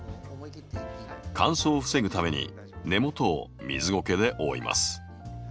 乾燥を防ぐために根元を水ゴケで覆います。